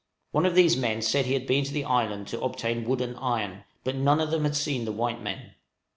One of these men said he had been to the island to obtain wood and iron, but none of them had seen the white men.